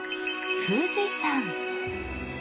富士山。